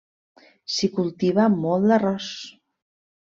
S'hi cultiva molt l'arròs.